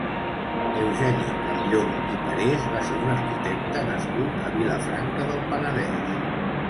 Eugeni Campllonch i Parés va ser un arquitecte nascut a Vilafranca del Penedès.